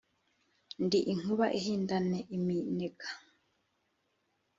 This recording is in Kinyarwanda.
Ndi inkuba ihindana iminega.